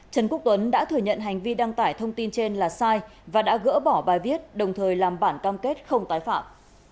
trần quốc tuấn đã thừa nhận hành vi đăng tải thông tin trên là sai và đã gỡ bỏ bài viết đồng thời làm bản cam kết không tái phạm